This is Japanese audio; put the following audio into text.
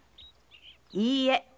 いいえ。